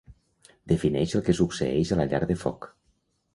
Defineix el que succeeix a la llar de foc.